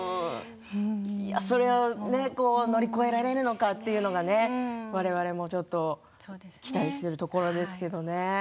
それを乗り越えられるのかというのが、われわれもちょっと期待しているところですけどね。